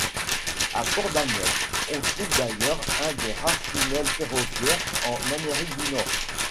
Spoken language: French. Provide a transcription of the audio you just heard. À Port-Daniel se trouve d'ailleurs un des rares tunnels ferroviaires en Amérique du Nord.